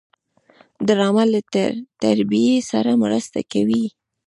ډرامه له تربیې سره مرسته کوي